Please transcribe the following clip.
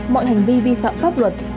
mọi hành vi vi phạm pháp luật